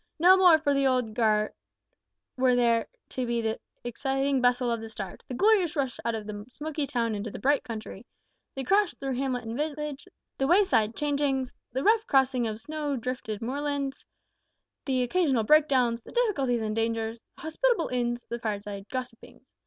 No more for the old guard were there to be the exciting bustle of the start, the glorious rush out of the smoky town into the bright country; the crash through hamlet and village; the wayside changings; the rough crossing of snow drifted moorlands; the occasional breakdowns; the difficulties and dangers; the hospitable inns; the fireside gossipings.